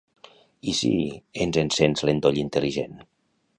I si ens encens l'endoll intel·ligent?